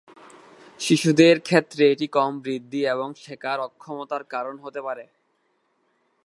শিশুদের ক্ষেত্রে এটি কম বৃদ্ধি এবং শেখার অক্ষমতার কারণ হতে পারে।